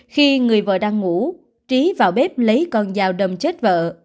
khi người vợ đang ngủ trí vào bếp lấy con dao đầm chết vợ